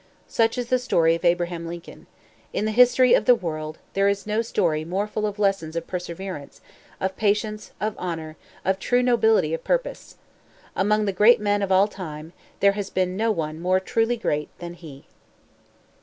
Such is the story of Abraham Lincoln. In the history of the world, there is no story more full of lessons of perseverance, of patience, of honor, of true nobility of purpose. Among the great men of all time, there has been no one more truly great than he.